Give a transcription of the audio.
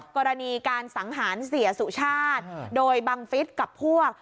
กรณีการสังหารเสียสุชาติโดยบังฟิศกับพวก